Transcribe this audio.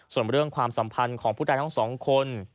ส่วนเรื่องความสัมพันธ์ของผู้ตายทั้งสองคน